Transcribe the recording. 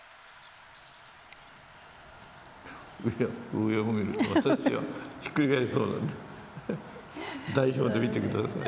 上を見ると私はひっくり返りそうなんで代表で見て下さい。